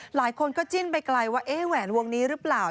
หลายคนก็จิ้นไปไกลว่าเอ๊ะแหวนวงนี้หรือเปล่า